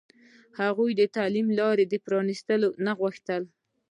هغوی د تعلیم د لارې پرانستل نه غوښتل.